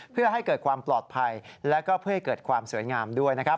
เพื่อให้เกิดความปลอดภัยและก็เพื่อให้เกิดความสวยงามด้วยนะครับ